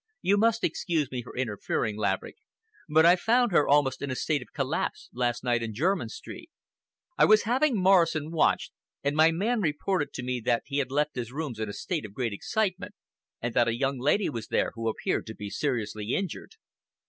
"You must excuse me for interfering, Laverick, but I found her almost in a state of collapse last night in Jermyn Street. I was having Morrison watched, and my man reported to me that he had left his rooms in a state of great excitement, and that a young lady was there who appeared to be seriously injured."